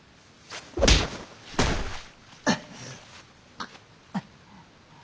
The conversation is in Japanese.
あっ。